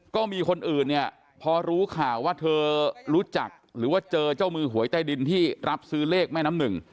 ก็มีคนอื่นเนี่ยพอรู้ข่าวว่าเธอรู้จักหรือว่าเจอเจ้ามือหวยใต้ดินที่รับซื้อเลขแม่น้ำหนึ่ง